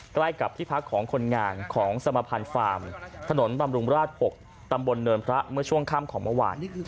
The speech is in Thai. ใกล้กับที่พักของคนงานของสมภัณฑ์ฟาร์มถนนบำรุงราช๖ตำบลเนินพระเมื่อช่วงค่ำของเมื่อวาน